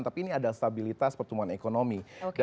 tapi ini ada stabilitas pertumbuhan ekonomi